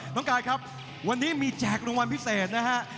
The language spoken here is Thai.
น้องกายครับวันนี้มีแจกรางวัลพิเศษนะฮะ